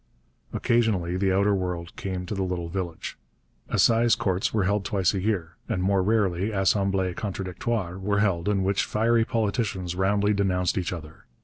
Occasionally the outer world came to the little village. Assize courts were held twice a year, and more rarely assemblées contradictoires were held in which fiery politicians roundly denounced each other.